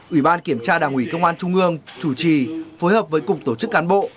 ủy ban kiểm tra đảng ủy công an trung ương chủ trì phối hợp với cục tổ chức cán bộ